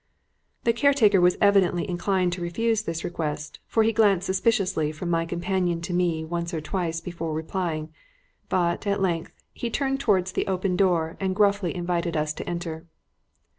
The caretaker was evidently inclined to refuse this request, for he glanced suspiciously from my companion to me once or twice before replying, but, at length, he turned towards the open door and gruffly invited us to enter.